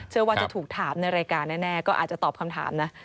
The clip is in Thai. ว่าจะถูกถามในรายการแน่ก็อาจจะตอบคำถามนะ